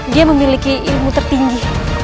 dia memiliki ilmu tertinggi